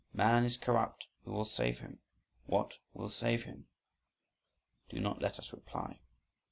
"Man is corrupt who will save him? what will save him?" Do not let us reply.